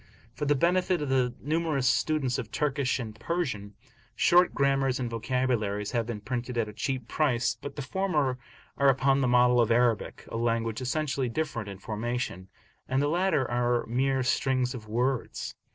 For the benefit of the numerous students of Turkish and Persian, short grammars and vocabularies have been printed at a cheap price, but the former are upon the model of Arabic, a language essentially different in formation, and the latter are mere strings of words.